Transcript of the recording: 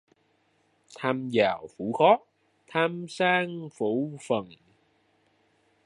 Tham giàu phụ khó. tham sang phụ phần